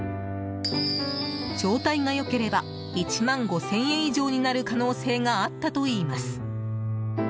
状態が良ければ１万５０００円以上になる可能性があったといいます。